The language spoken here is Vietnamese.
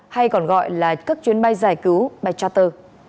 hay còn gọi là các chuyến bay giải cứu